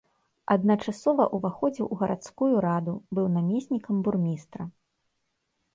Адначасова ўваходзіў у гарадскую раду, быў намеснікам бурмістра.